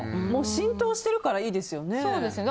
浸透しているからいいですよね。